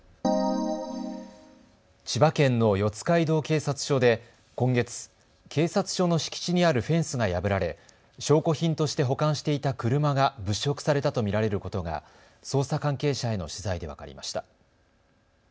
千葉県の四街道警察署で今月、警察署の敷地にあるフェンスが破られ証拠品として保管していた車が物色されたと見られることが捜査関係者への取材で分かりました。